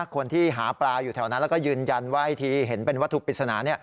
คนที่หาปลาอยู่แถวนั้นแล้วก็ยืนยันว่าทีเห็นเป็นวัตถุปริศนา